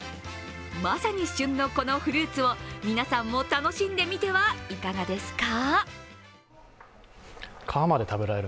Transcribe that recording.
まさに旬のこのフルーツを皆さんも楽しんでみてはいかがですか？